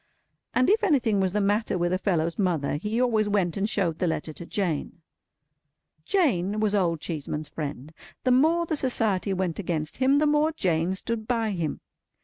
And if anything was the matter with a fellow's mother, he always went and showed the letter to Jane. Jane was Old Cheeseman's friend. The more the Society went against him, the more Jane stood by him.